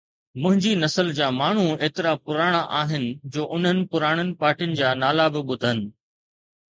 منهنجي نسل جا ماڻهو ايترا پراڻا آهن جو انهن پراڻن پارٽين جا نالا به ٻڌن.